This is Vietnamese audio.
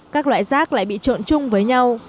các loại rác lại bị trộn chung với nhau